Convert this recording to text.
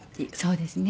そうですね。